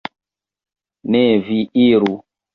Ne vi iru!